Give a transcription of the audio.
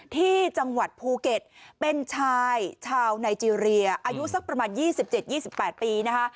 ที่จังหวัดภูเก็ตเป็นชายชาวไนเจรียอายุสักประมาณ๒๗๒๘ปีนะคะ